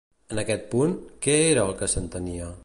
En aquest punt, què era el que s'entenia?